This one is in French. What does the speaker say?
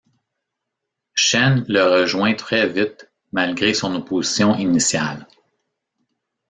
Chen le rejoint très vite malgré son opposition initiale.